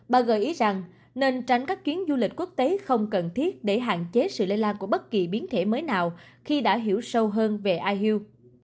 bà gợi ý rằng nên tránh các chuyến du lịch quốc tế không cần thiết để hạn chế sự lây lan của bất kỳ biến thể mới nào khi đã hiểu sâu hơn về ail